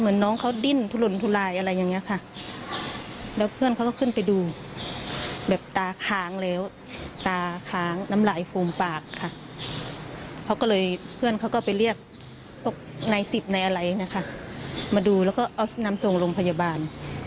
ลูกชายพี่เจอดินถูโรนถูหลายพยายามก็มาดูแล้วเอานำโสงลงพยาบาล